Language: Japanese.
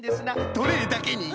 トレーだけに！